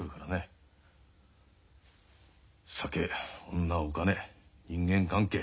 酒女お金人間関係。